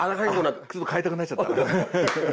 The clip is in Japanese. ちょっと変えたくなっちゃった。